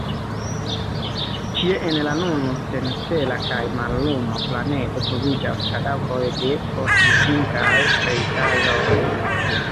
Ĉie en la nun senstela kaj malluma planedo troviĝas kadavroj de frostiĝintaj kreitaĵoj.